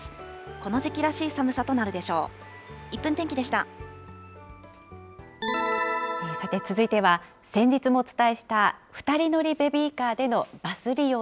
この時期らしい寒さとなるでしょう。